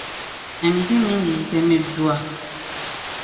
Emiti mingi gitemeddwa.